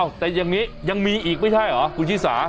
อ้าวแต่ยังมียังมีอีกไม่ใช่เหรอคุณชิสา